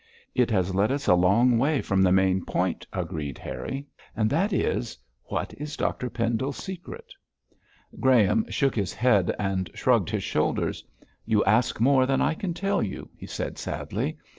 'It has led us a long way from the main point,' agreed Harry, 'and that is what is Dr Pendle's secret?' Graham shook his head and shrugged his shoulders. 'You ask more than I can tell you,' he said sadly.